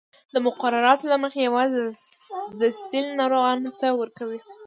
د مقرراتو له مخې یوازې د سِل ناروغانو ته ورکوو.